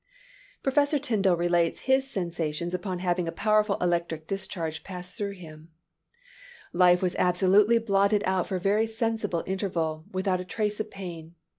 Prof. Tyndall relates his sensations upon having a powerful electric discharge pass through him: "Life was absolutely blotted out for a very sensible interval, without a trace of pain.